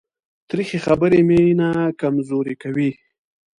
تریخې خبرې مینه کمزورې کوي.